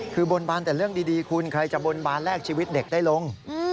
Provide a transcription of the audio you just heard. คือบนบานแต่เรื่องดีคุณใครจะบนบานแลกชีวิตเด็กได้ลง